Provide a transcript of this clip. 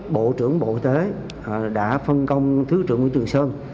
bộ trưởng bộ y tế đã phân công thứ trưởng nguyễn trường sơn